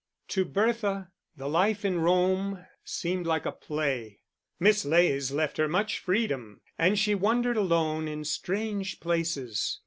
To Bertha the life in Rome seemed like a play. Miss Leys left her much freedom, and she wandered alone in strange places.